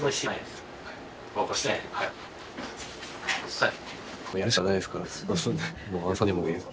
はい。